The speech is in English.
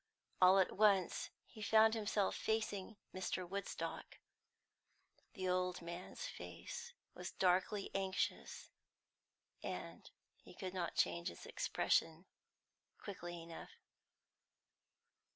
All at once he found himself facing Mr. Woodstock. The old man's face was darkly anxious, and he could not change its expression quickly enough.